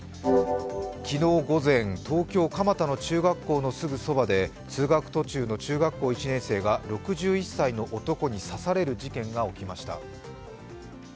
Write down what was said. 昨日午前、東京・蒲田の中学校のすぐそばで通学途中の中学校１年生が６１歳の男に刺される事件が起きました。